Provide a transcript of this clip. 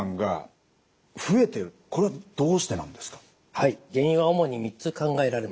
原因は主に３つ考えられます。